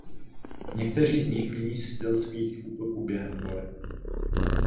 Někteří z nich mění styl svých útoků během boje.